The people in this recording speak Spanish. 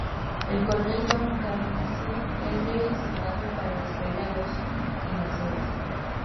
El coronel Tom Carlsen es designado para destruir a los invasores.